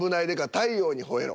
「太陽にほえろ！」？